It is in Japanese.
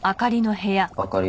あかり。